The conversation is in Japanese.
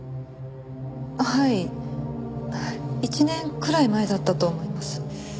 １年くらい前だったと思います。